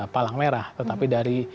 palang merah tetapi dari